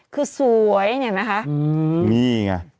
คือสวยเห็นไหมคะอืมมีไง